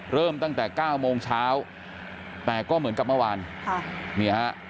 เริ่มตั้งแต่เก้าโมงเช้าแต่ก็เหมือนกับเมื่อวานค่ะนี่ฮะ